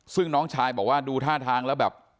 ซึ่งน้องชายบอกว่าดูท่าทางแล้วแบบ